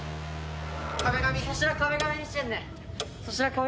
粗品壁紙にしてんねん。